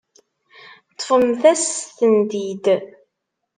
Ṭṭfemt-as-tent-id.